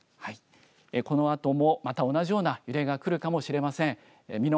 このあともまた同じような揺れがくるかもしれません。